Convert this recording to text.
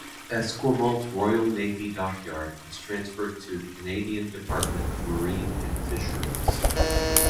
Esquimalt Royal Navy Dockyard was transferred to the Canadian Department of Marine and Fisheries.